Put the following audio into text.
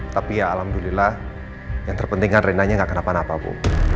tapi ya alhamdulillah yang terpenting kan reina nya gak kena panah apa bu